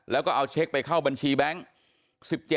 แล้วก็เอาเช็คไปเข้าบัญชีแบงค์